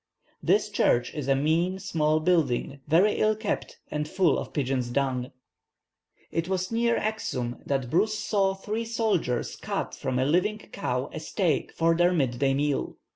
This church is a mean, small building, very ill kept and full of pigeons' dung." It was near Axum that Bruce saw three soldiers cut from a living cow a steak for their midday meal.